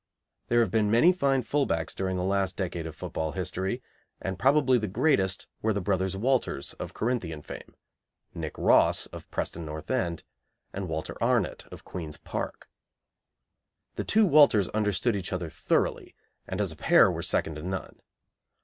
There have been many fine full backs during the last decade of football history, and probably the greatest were the brothers Walters, of Corinthian fame; Nick Ross, of Preston North End; and Walter Arnott, of Queen's Park. The two Walters understood each other thoroughly, and as a pair were second to none.